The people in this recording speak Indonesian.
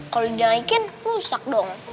kalau dinaikin rusak dong